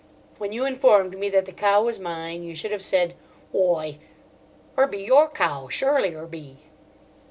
When you informed me that the cow was mine, you should have said: 'Whoi, 'er be your cow, surelie 'er be.